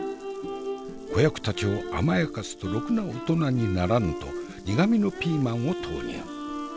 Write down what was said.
子役たちを甘やかすとろくな大人にならぬと苦みのピーマンを投入。